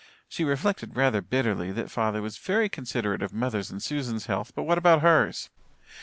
She reflected rather bitterly that father was very considerate of mother's and Susan's health, but what about hers?